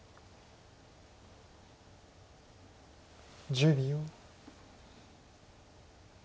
１０秒。